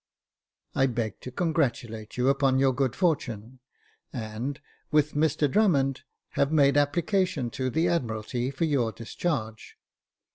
I beg to congratulate you upon your good fortune, and, with Mr Drummond, have made application to the Admiralty for your discharge.